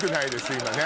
今ね